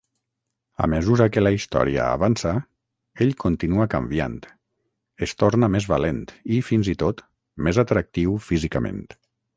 A mesura que la història avança, ell continua canviant. Es torna més valent i, fins i tot, més atractiu físicament.